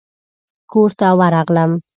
کورته ورغلم.